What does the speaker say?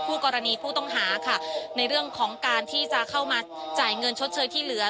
กรณีผู้ต้องหาค่ะในเรื่องของการที่จะเข้ามาจ่ายเงินชดเชยที่เหลือ